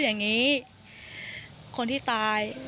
คนที่ตาย